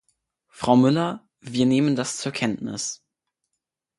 Frau Müller, wir nehmen das zur Kenntnis.